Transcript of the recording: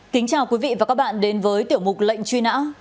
kính chào quý vị và các bạn đến với tiểu mục lệnh truy nã